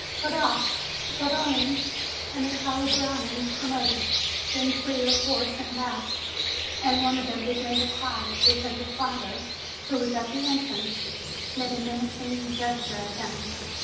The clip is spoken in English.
GarofH, Garrone, and the Calabrian promoted. Then three or four sent back ; and one of them began to cry because his father, who was at the entrance, FAREWELL 347 made a menacing gesture at him.